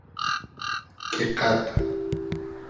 کی قئد